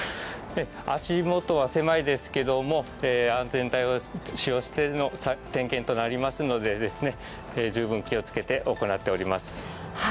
足元は狭いですけども安全帯を使用しての点検となりますので十分気をつけて行っております。